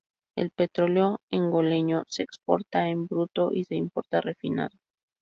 El petróleo angoleño se exporta en bruto y se importa refinado.